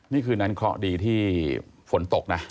นี่คืนนั้นเคราะห์ดีที่ฝนตกนะ